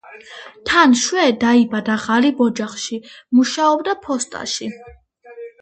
თან შვე დაიბადა ღარიბ ოჯახში, მუშაობდა ფოსტაში.